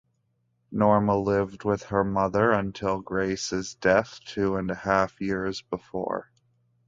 Norma lived with her mother until Grace's death two and a half years before.